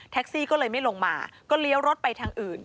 ซี่ก็เลยไม่ลงมาก็เลี้ยวรถไปทางอื่น